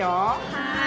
はい。